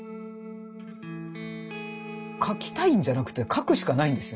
描きたいんじゃなくて描くしかないんですよ。